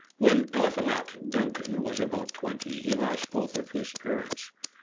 When Eliphalet Duncan was about twenty he lost both of his parents.